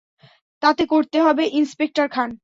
তাতে করতে হবে, ইন্সপেক্টর খান।